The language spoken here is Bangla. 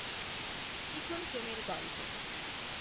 ত্রিকোণ প্রেমের গল্প।